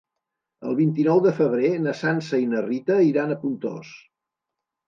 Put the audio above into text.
El vint-i-nou de febrer na Sança i na Rita iran a Pontós.